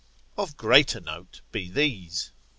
Of greater note be these.